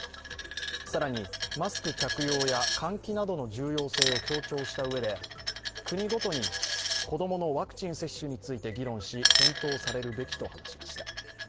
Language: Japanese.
更に、マスク着用や換気などの重要性を強調したうえで国ごとに子供のワクチン接種について議論し検討されるべきと話しました。